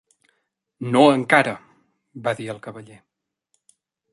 "No encara", va dir el Cavaller.